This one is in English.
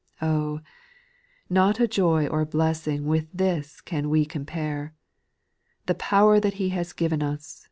4. Oh ! not a joy or blessing With this can we compare. The power that lie has given us.